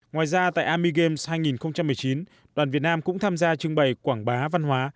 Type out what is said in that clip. ngoài ra tại army games hai nghìn một mươi chín đoàn việt nam cũng tham gia trưng bày quảng bá văn hóa